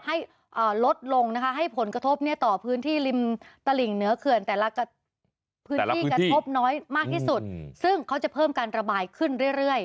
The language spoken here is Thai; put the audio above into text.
ให้ลดลงนะคะให้ผลกระทบเนี่ยต่อพื้นที่ริมตลิ่งเหนือเขื่อนแต่ละพื้นที่กระทบน้อยมากที่สุดซึ่งเขาจะเพิ่มการระบายขึ้นเรื่อย